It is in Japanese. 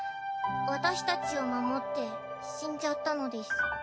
私たちを守って死んじゃったのです。